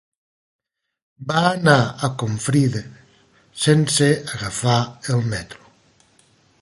Va anar a Confrides sense agafar el metro.